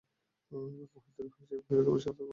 মহেন্দ্র হাসিয়া কহিল, তোমার সাহস তো কম নয়।